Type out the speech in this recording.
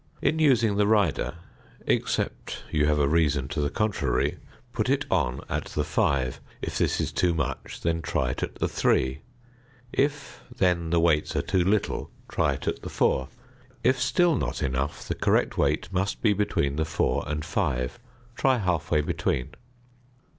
In using the rider (except you have a reason to the contrary), put it on at the 5; if this is too much, then try it at the 3; if then the weights are too little, try at the 4, if still not enough, the correct weight must be between the 4 and 5; try half way between.